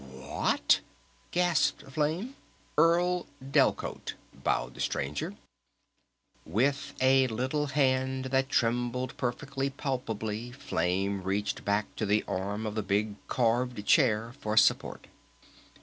"What?" gasped Flame. "Earle Delcote," bowed the Stranger. With a little hand that trembled perfectly palpably Flame reached back to the arm of the big carved chair for support.